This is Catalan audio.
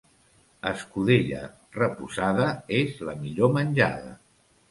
Escudella reposada és la millor menjada.